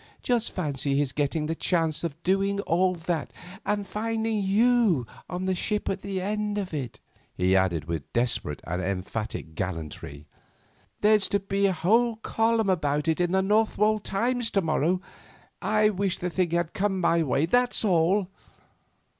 "Just fancy his getting the chance of doing all that, and finding you waiting on the ship at the end of it," he added, with desperate and emphatic gallantry. "There's to be a whole column about it in the 'Northwold Times' to morrow. I wish the thing had come my way, that's all."